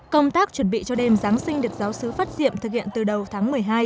công tác chuẩn bị cho đêm giáng sinh được giáo sứ phát diệm thực hiện từ đầu tháng một mươi hai